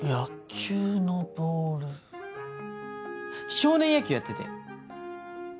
少年野球やってて。